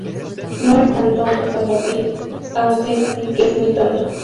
No es tan tonto como Billy, aunque si que es muy tonto.